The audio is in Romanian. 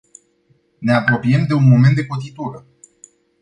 Ne apropiem de un moment de cotitură.